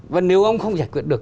và nếu ông không giải quyết được